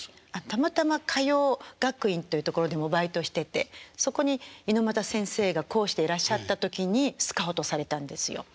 たまたま歌謡学院というところでバイトしててそこに猪俣先生が講師でいらっしゃった時にスカウトされたんですよ。